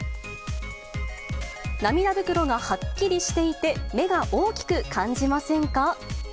涙袋がはっきりしていて、目が大きく感じませんか？